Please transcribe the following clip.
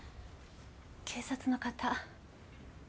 警察の方。